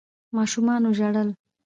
ماشومانو ژړل.